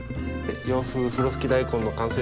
洋風ふろふき大根の完成です。